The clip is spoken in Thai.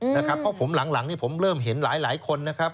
เพราะผมหลังผมเริ่มเห็นหลายคนนะครับ